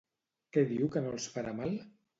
Què diu que no els farà mal?